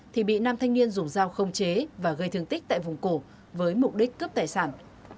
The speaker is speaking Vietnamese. thì bị nam thanh niên dùng dao không chế và gây thương tích tại vùng cổ với mục đích cướp tài sản